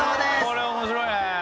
これ面白いね。